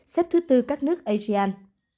xếp thứ bốn các nước asean